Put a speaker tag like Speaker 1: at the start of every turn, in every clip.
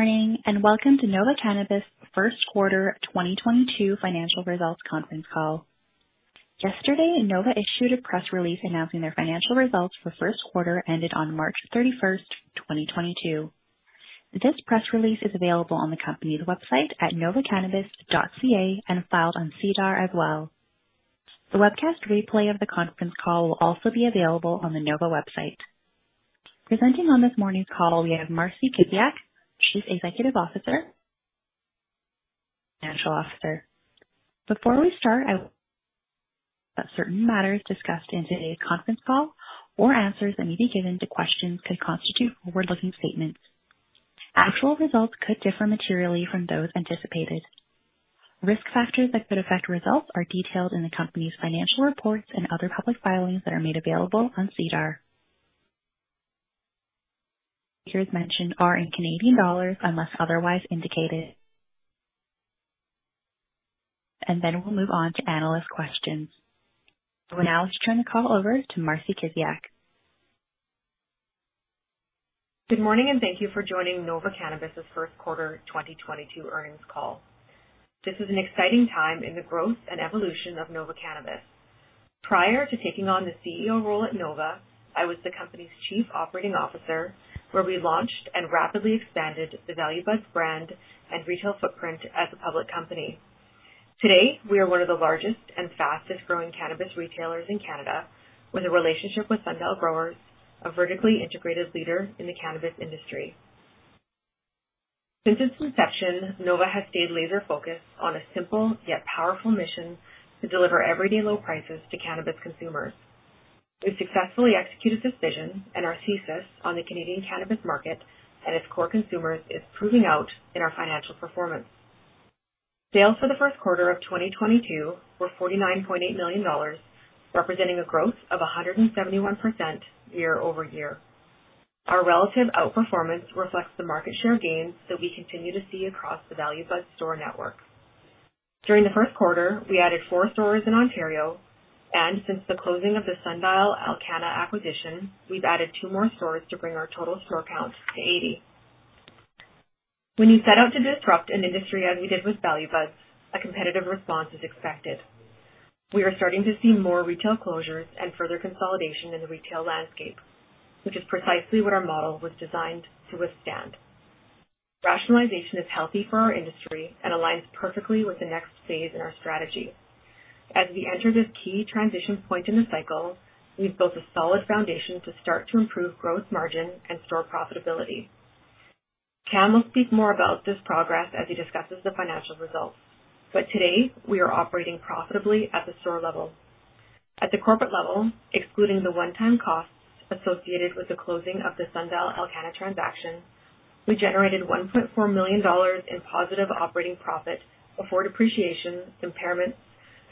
Speaker 1: Morning, welcome to Nova Cannabis first quarter 2022 financial results conference call. Yesterday, Nova issued a press release announcing their financial results for first quarter ended on March 31st, 2022. This press release is available on the company's website at novacannabis.ca and filed on SEDAR as well. The webcast replay of the conference call will also be available on the Nova website. Presenting on this morning's call, we have Marcie Kiziak, Chief Executive Officer. Financial Officer. Before we start, certain matters discussed in today's conference call or answers that may be given to questions could constitute forward-looking statements. Actual results could differ materially from those anticipated. Risk factors that could affect results are detailed in the company's financial reports and other public filings that are made available on SEDAR. Figures mentioned are in Canadian dollars, unless otherwise indicated. Then we'll move on to analyst questions. I would now like to turn the call over to Marcie Kiziak.
Speaker 2: Good morning. Thank you for joining Nova Cannabis' first quarter 2022 earnings call. This is an exciting time in the growth and evolution of Nova Cannabis. Prior to taking on the CEO role at Nova, I was the company's Chief Operating Officer, where we launched and rapidly expanded the Value Buds brand and retail footprint as a public company. Today, we are one of the largest and fastest-growing cannabis retailers in Canada, with a relationship with Sundial Growers, a vertically integrated leader in the cannabis industry. Since its inception, Nova has stayed laser-focused on a simple, yet powerful mission to deliver everyday low prices to cannabis consumers. We've successfully executed this vision and our thesis on the Canadian cannabis market and its core consumers is proving out in our financial performance. Sales for the first quarter of 2022 were 49.8 million dollars, representing a growth of 171% year-over-year. Our relative outperformance reflects the market share gains that we continue to see across the Value Buds store network. During the first quarter, we added four stores in Ontario, and since the closing of the Sundial-Alcanna acquisition, we've added two more stores to bring our total store count to 80. When you set out to disrupt an industry as we did with Value Buds, a competitive response is expected. We are starting to see more retail closures and further consolidation in the retail landscape, which is precisely what our model was designed to withstand. Rationalization is healthy for our industry and aligns perfectly with the next phase in our strategy. As we enter this key transition point in the cycle, we've built a solid foundation to start to improve gross margin and store profitability. Cam will speak more about this progress as he discusses the financial results, but today, we are operating profitably at the store level. At the corporate level, excluding the one-time costs associated with the closing of the Sundial-Alcanna transaction, we generated 1.4 million dollars in positive operating profit before depreciation, impairment,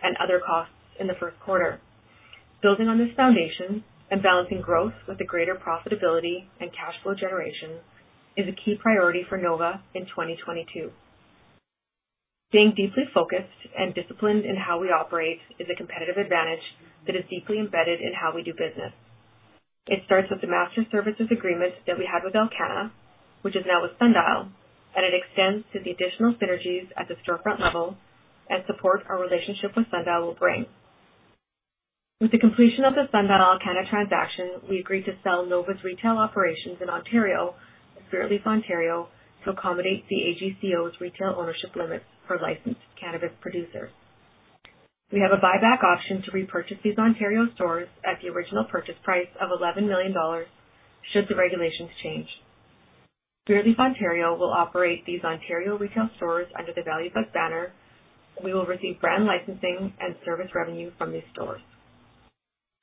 Speaker 2: and other costs in the first quarter. Building on this foundation and balancing growth with the greater profitability and cash flow generation is a key priority for Nova in 2022. Being deeply focused and disciplined in how we operate is a competitive advantage that is deeply embedded in how we do business. It starts with the master services agreement that we had with Alcanna, which is now with Sundial, and it extends to the additional synergies at the storefront level and support our relationship with Sundial will bring. With the completion of the Sundial-Alcanna transaction, we agreed to sell Nova's retail operations in Ontario with Spiritleaf Ontario to accommodate the AGCO's retail ownership limits for licensed cannabis producers. We have a buyback option to repurchase these Ontario stores at the original purchase price of 11 million dollars should the regulations change. Spiritleaf Ontario will operate these Ontario retail stores under the Value Buds banner. We will receive brand licensing and service revenue from these stores.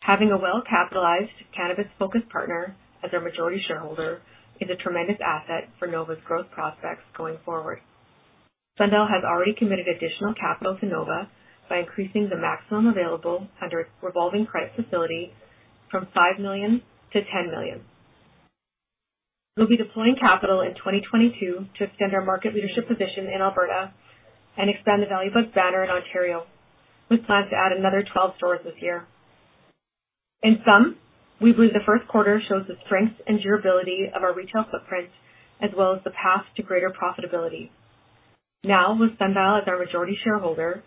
Speaker 2: Having a well-capitalized cannabis-focused partner as our majority shareholder is a tremendous asset for Nova's growth prospects going forward. Sundial has already committed additional capital to Nova by increasing the maximum available under its revolving credit facility from 5 million to 10 million. We'll be deploying capital in 2022 to extend our market leadership position in Alberta and expand the Value Buds banner in Ontario. We plan to add another 12 stores this year. In sum, we believe the first quarter shows the strength and durability of our retail footprint, as well as the path to greater profitability. Now, with Sundial as our majority shareholder,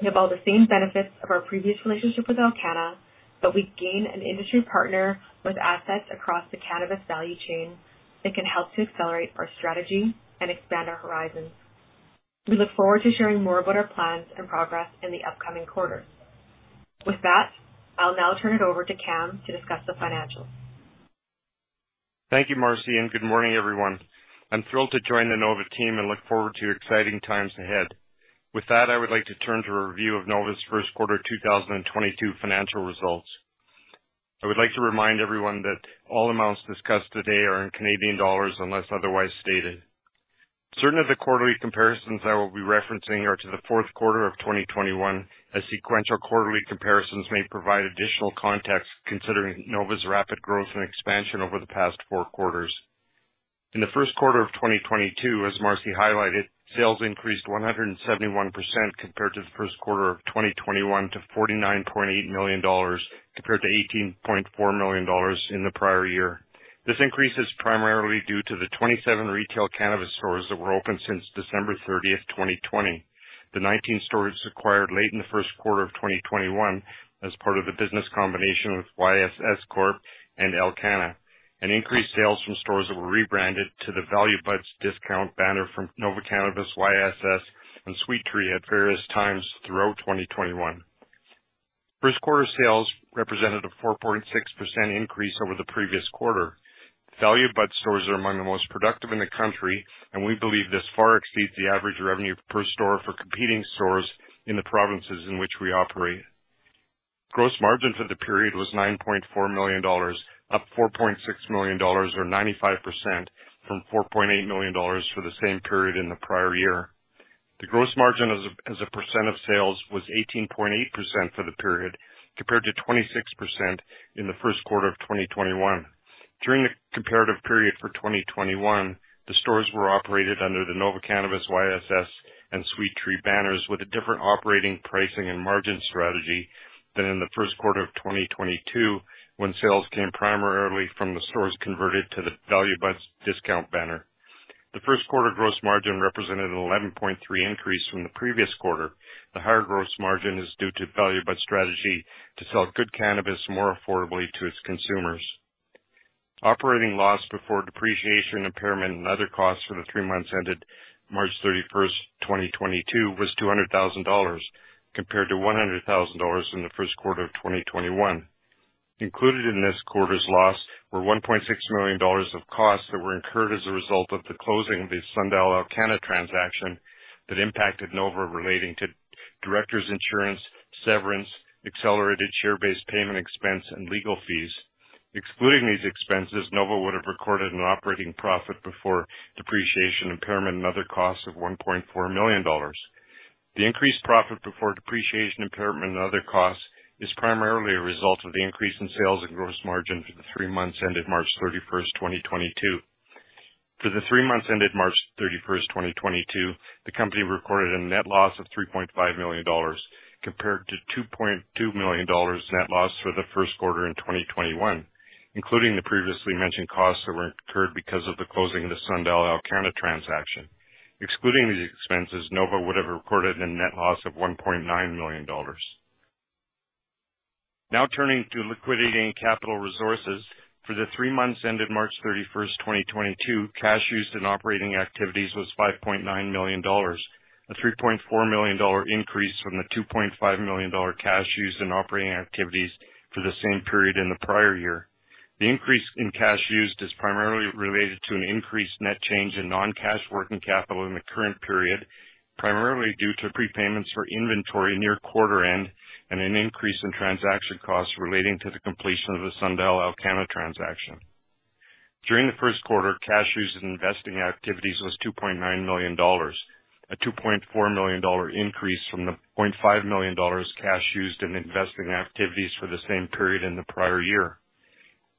Speaker 2: we have all the same benefits of our previous relationship with Alcanna, but we gain an industry partner with assets across the cannabis value chain that can help to accelerate our strategy and expand our horizons. We look forward to sharing more about our plans and progress in the upcoming quarters. With that, I'll now turn it over to Cam to discuss the financials.
Speaker 3: Thank you, Marcie, and good morning, everyone. I am thrilled to join the Nova team and look forward to exciting times ahead. With that, I would like to turn to a review of Nova's first quarter 2022 financial results. I would like to remind everyone that all amounts discussed today are in Canadian dollars unless otherwise stated. Certain of the quarterly comparisons I will be referencing are to the fourth quarter of 2021, as sequential quarterly comparisons may provide additional context considering Nova's rapid growth and expansion over the past four quarters. In the first quarter of 2022, as Marcie highlighted, sales increased 171% compared to the first quarter of 2021 to 49.8 million dollars compared to 18.4 million dollars in the prior year. This increase is primarily due to the 27 retail cannabis stores that were open since December 30th, 2020. The 19 stores acquired late in the first quarter of 2021 as part of the business combination with YSS Corp. and Alcanna, and increased sales from stores that were rebranded to the Value Buds discount banner from Nova Cannabis YSS and Sweet Tree at various times throughout 2021. First quarter sales represented a 4.6% increase over the previous quarter. Value Buds stores are among the most productive in the country, and we believe this far exceeds the average revenue per store for competing stores in the provinces in which we operate. Gross margins for the period was 9.4 million dollars, up 4.6 million dollars, or 95%, from 4.8 million dollars for the same period in the prior year. The gross margin as a percent of sales was 18.8% for the period, compared to 26% in the first quarter of 2021. During the comparative period for 2021, the stores were operated under the Nova Cannabis YSS and Sweet Tree banners with a different operating pricing and margin strategy than in the first quarter of 2022, when sales came primarily from the stores converted to the Value Buds discount banner. The first quarter gross margin represented an 11.3% increase from the previous quarter. The higher gross margin is due to Value Buds' strategy to sell good cannabis more affordably to its consumers. Operating loss before depreciation, impairment, and other costs for the three months ended March 31, 2022, was 200,000 dollars, compared to 100,000 dollars in the first quarter of 2021. Included in this quarter's loss were 1.6 million dollars of costs that were incurred as a result of the closing of the Sundial-Alcanna transaction that impacted Nova relating to directors insurance, severance, accelerated share-based payment expense, and legal fees. Excluding these expenses, Nova would have recorded an operating profit before depreciation, impairment, and other costs of 1.4 million dollars. The increased profit before depreciation, impairment, and other costs is primarily a result of the increase in sales and gross margin for the three months ended March 31st, 2022. For the three months ended March 31st, 2022, the company recorded a net loss of 3.5 million dollars, compared to 2.2 million dollars net loss for the first quarter in 2021, including the previously mentioned costs that were incurred because of the closing of the Sundial-Alcanna transaction. Excluding these expenses, Nova would have recorded a net loss of 1.9 million dollars. Now turning to liquidity and capital resources. For the three months ended March 31st, 2022, cash used in operating activities was 5.9 million dollars, a 3.4 million dollar increase from the 2.5 million dollar cash used in operating activities for the same period in the prior year. The increase in cash used is primarily related to an increased net change in non-cash working capital in the current period, primarily due to prepayments for inventory near quarter end and an increase in transaction costs relating to the completion of the Sundial-Alcanna transaction. During the first quarter, cash used in investing activities was 2.9 million dollars, a 2.4 million dollar increase from the 0.5 million dollars cash used in investing activities for the same period in the prior year.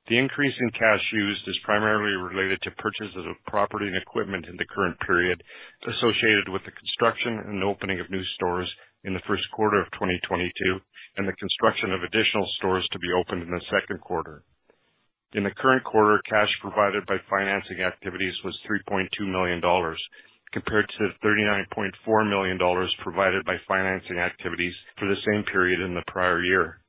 Speaker 3: The increase in cash used is primarily related to purchases of property and equipment in the current period associated with the construction and opening of new stores in the first quarter of 2022 and the construction of additional stores to be opened in the second quarter. In the current quarter, cash provided by financing activities was 3.2 million dollars, compared to the 39.4 million dollars provided by financing activities for the same period in the prior year.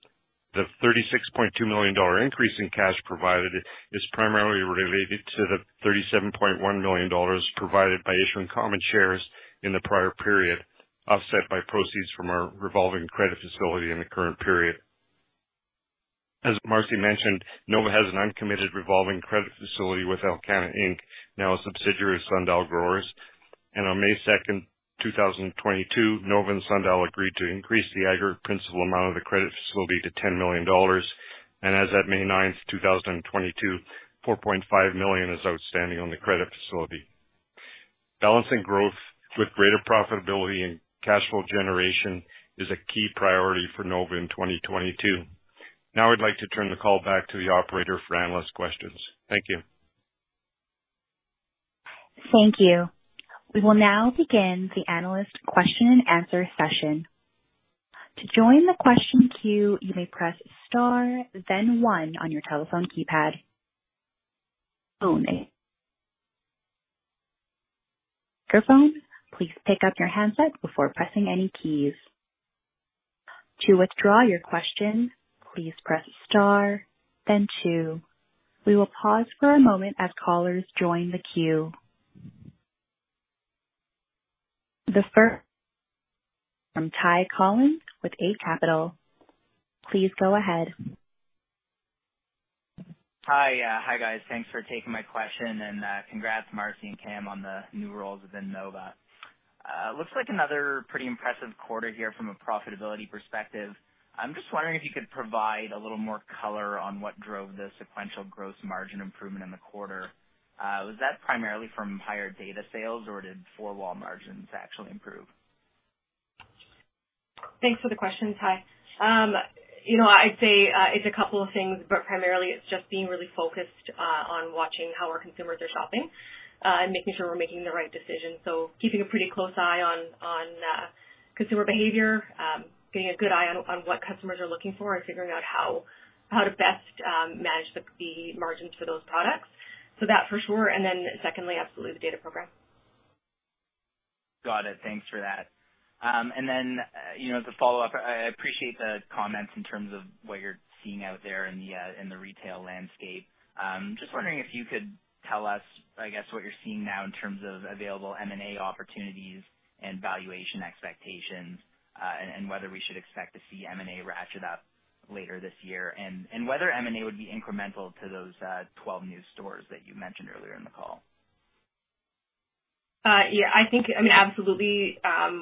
Speaker 3: The 36.2 million dollar increase in cash provided is primarily related to the 37.1 million dollars provided by issuing common shares in the prior period, offset by proceeds from our revolving credit facility in the current period. As Marcie mentioned, Nova has an uncommitted revolving credit facility with Alcanna Inc., now a subsidiary of Sundial Growers. On May 2nd, 2022, Nova and Sundial agreed to increase the aggregate principal amount of the credit facility to 10 million dollars. As at May 9th, 2022, 4.5 million is outstanding on the credit facility. Balancing growth with greater profitability and cash flow generation is a key priority for Nova in 2022. I'd like to turn the call back to the operator for analyst questions. Thank you.
Speaker 1: Thank you. We will now begin the analyst question and answer session. To join the question queue you may press star then one on your telephone keypad. Please pick up your handset before pressing any keys. To withdraw your question, please press star then two. We will pause for a moment as callers join the queue. The first, from Ty Collin with Eight Capital. Please go ahead.
Speaker 4: Hi. Hi, guys. Thanks for taking my question, and congrats, Marcie and Cam, on the new roles within Nova. Looks like another pretty impressive quarter here from a profitability perspective. I'm just wondering if you could provide a little more color on what drove the sequential gross margin improvement in the quarter. Was that primarily from higher data sales, or did four-wall margins actually improve?
Speaker 2: Thanks for the question, Ty. I'd say it's a couple of things, but primarily it's just being really focused on watching how our consumers are shopping, making sure we're making the right decisions. Keeping a pretty close eye on consumer behavior. Keeping a good eye on what customers are looking for and figuring out how to best manage the margins for those products. That for sure. Secondly, absolutely data program.
Speaker 4: Got it. Thanks for that. The follow-up, I appreciate the comments in terms of what you're seeing out there in the retail landscape. Just wondering if you could tell us, I guess, what you're seeing now in terms of available M&A opportunities and valuation expectations, and whether we should expect to see M&A ratchet up later this year, and whether M&A would be incremental to those 12 new stores that you mentioned earlier in the call?
Speaker 2: Yeah, I think I'm absolutely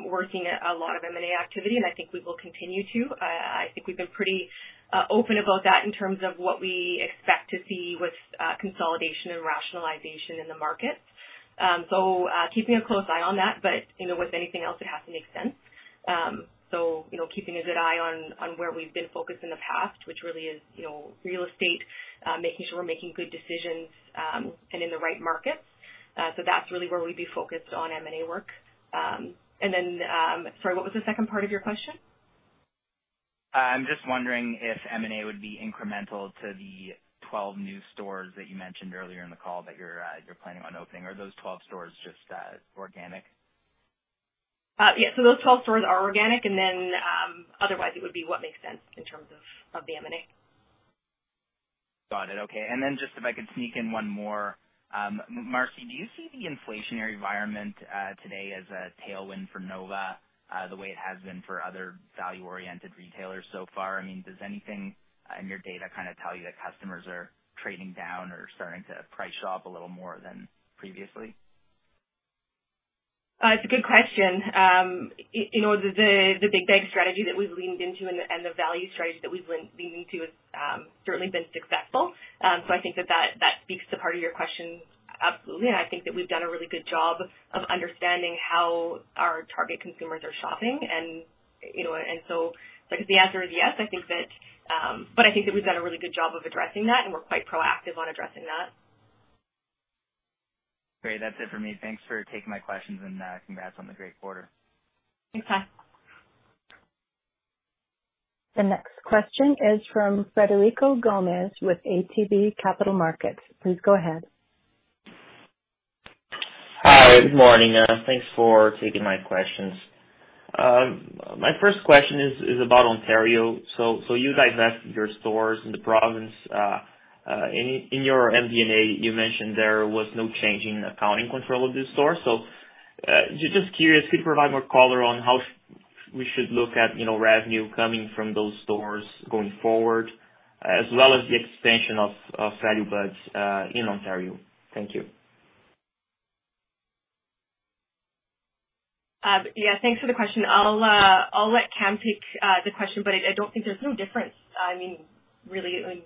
Speaker 2: working at a lot of M&A activity, and I think we will continue to. I think we've been pretty open about that in terms of what we expect to see with consolidation and rationalization in the markets. Keeping a close eye on that, but with anything else, it has to make sense. Keeping a good eye on where we've been focused in the past, which really is real estate, making sure we're making good decisions, and in the right markets. That's really where we'd be focused on M&A work. Sorry, what was the second part of your question?
Speaker 4: I'm just wondering if M&A would be incremental to the 12 new stores that you mentioned earlier in the call that you're planning on opening, or those 12 stores just as organic?
Speaker 2: Yeah. Those 12 stores are organic, and then, otherwise it would be what makes sense in terms of the M&A.
Speaker 4: Got it. Okay. Just if I could sneak in one more. Marcie, do you see the inflationary environment today as a tailwind for Nova, the way it has been for other value-oriented retailers so far? Does anything in your data tell you that customers are trading down or starting to price shop a little more than previously?
Speaker 2: It's a good question. The big strategy that we leaned into and the value strategy that we've been leaning to has certainly been successful. I think that speaks to part of your question. Absolutely. I think that we've done a really good job of understanding how our target consumers are shopping. The answer is yes. I think that we've done a really good job of addressing that, and we're quite proactive on addressing that.
Speaker 4: Great. That's it for me. Thanks for taking my questions and congrats on the great quarter.
Speaker 2: Thanks, Ty.
Speaker 1: The next question is from Frederico Gomes with ATB Capital Markets. Please go ahead.
Speaker 5: Hi, good morning. Thanks for taking my questions. My first question is about Ontario. You guys have your stores in the province. In your MD&A, you mentioned there was no change in accounting control of the store. Just curious, can you provide more color on how we should look at revenue coming from those stores going forward, as well as the expansion of Value Buds in Ontario. Thank you.
Speaker 2: Yeah, thanks for the question. I'll let Cam take the question, but I don't think there's no difference, really,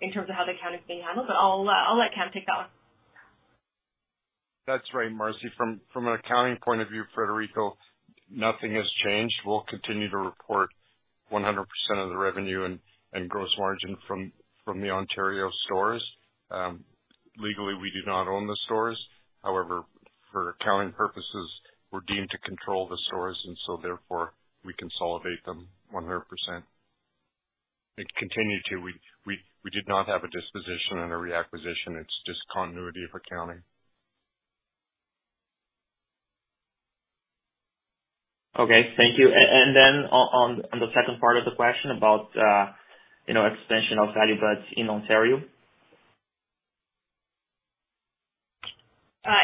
Speaker 2: in terms of how the accounting is handled, but I'll let Cam take that one.
Speaker 3: That's right, Marcie. From an accounting point of view, Frederico, nothing has changed. We'll continue to report 100% of the revenue and gross margin from the Ontario stores. Legally, we do not own the stores. However, for accounting purposes, we're deemed to control the stores, and so therefore, we consolidate them 100%. Continue to. We did not have a disposition and a reacquisition. It's just continuity of accounting.
Speaker 5: Okay. Thank you. On the second part of the question about expansion of Value Buds in Ontario.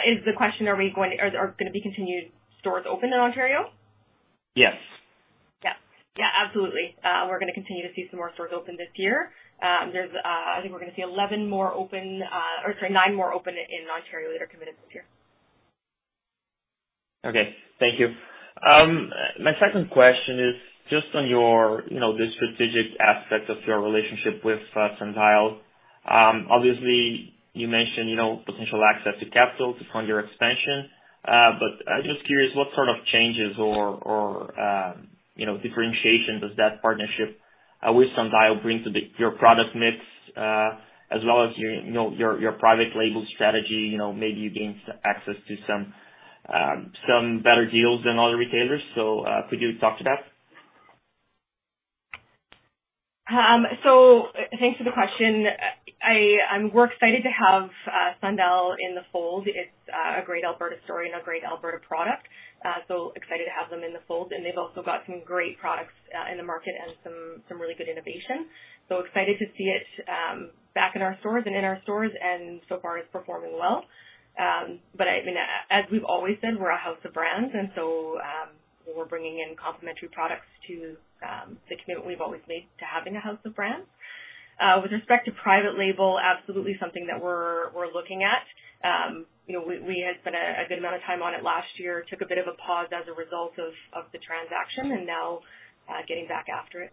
Speaker 2: Is the question, are there going to be continued stores open in Ontario?
Speaker 5: Yes.
Speaker 2: Yeah. Absolutely. We're going to continue to see some more stores open this year. I think we're going to see 11 more open, or sorry, nine more open in Ontario that are committed this year.
Speaker 5: Okay. Thank you. My second question is just on the strategic aspect of your relationship with Sundial. Obviously, you mentioned potential access to capital to fund your expansion. Just curious, what sort of changes or differentiation does that partnership with Sundial bring to your product mix, as well as your product label strategy, maybe you gain access to some better deals than other retailers. Could you talk to that?
Speaker 2: Thanks for the question. We're excited to have Sundial in the fold. It's a great Alberta story and a great Alberta product, excited to have them in the fold. They've also got some great products in the market and some really good innovation. Excited to see it back in our stores, and so far it's performing well. As we've always been, we're a house of brands, we're bringing in complementary products to the commitment we've always made to having a house of brands. With respect to private label, absolutely something that we're looking at. We had spent a good amount of time on it last year, took a bit of a pause as a result of the transaction, and now getting back after it.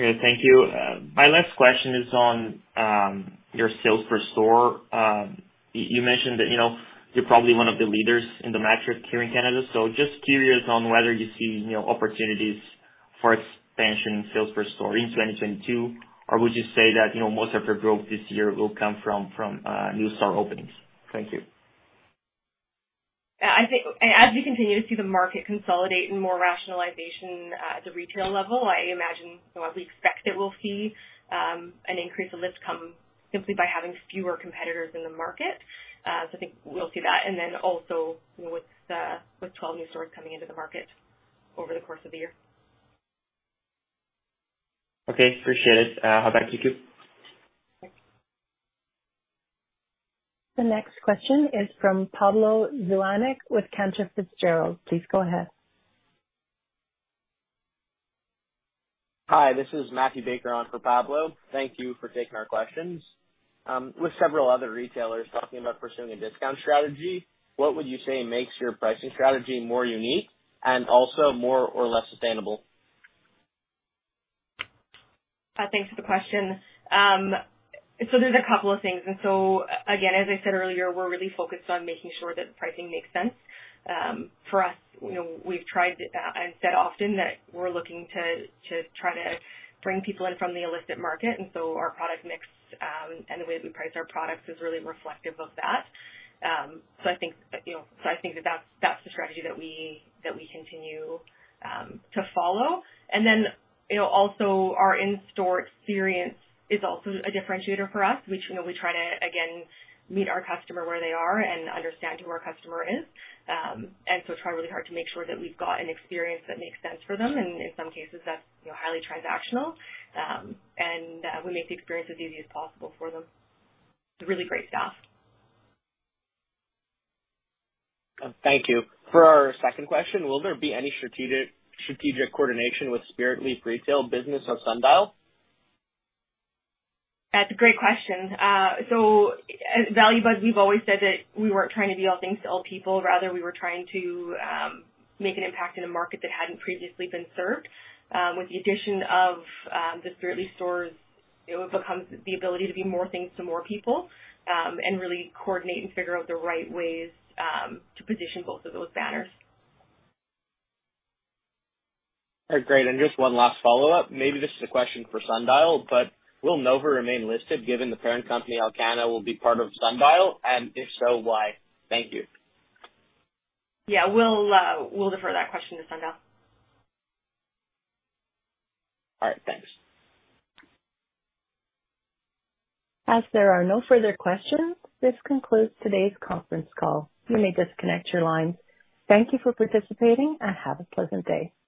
Speaker 5: Okay. Thank you. My last question is on your sales per store. You mentioned that you're probably one of the leaders in the metric here in Canada. Just curious on whether you see opportunities for expansion sales per store in 2022, or would you say that most of your growth this year will come from new store openings? Thank you.
Speaker 2: As we continue to see the market consolidate and more rationalization at the retail level, I imagine what we expect that we'll see an increase of lift come simply by having fewer competitors in the market. I think we'll see that, also with 12 new stores coming into the market over the course of the year.
Speaker 5: Okay. Appreciate it. [I'll go back to queue].
Speaker 1: The next question is from Pablo Zuanic with Cantor Fitzgerald. Please go ahead.
Speaker 6: Hi, this is Matthew Baker on for Pablo. Thank you for taking our questions. With several other retailers talking about pursuing a discount strategy, what would you say makes your pricing strategy more unique and also more or less sustainable?
Speaker 2: Thanks for the question. There's a couple of things. Again, as I said earlier, we're really focused on making sure that the pricing makes sense. For us, we've tried that. I've said often that we're looking to try to bring people in from the illicit market, and so our product mix, and the way that we price our products is really reflective of that. I think that's the strategy that we continue to follow. Also, our in-store experience is also a differentiator for us. We try to, again, meet our customer where they are and understand who our customer is. Try really hard to make sure that we've got an experience that makes sense for them, and in some cases, that's highly transactional. We make the experience as easy as possible for them. It's really great stuff.
Speaker 6: Thank you. For our second question, will there be any strategic coordination with Spiritleaf retail business or Sundial?
Speaker 2: That's a great question. At Value Buds, we've always said that we weren't trying to be all things to all people. Rather, we were trying to make an impact in a market that hadn't previously been served. With the addition of the Spiritleaf stores, it becomes the ability to be more things to more people, and really coordinate and figure out the right ways to position both of those banners.
Speaker 6: Great, just one last follow-up. Maybe this is a question for Sundial, will Nova remain listed given the parent company, Alcanna, will be part of Sundial? If so, why? Thank you.
Speaker 2: Yeah. We'll defer that question to Sundial.
Speaker 6: All right. Thanks.
Speaker 1: As there are no further questions, this concludes today's conference call. You may disconnect your lines. Thank you for participating, and have a pleasant day.